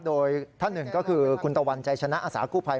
โดยท่านหนึ่งก็คือคุณตะวันใจชนะอาสากู้ภัย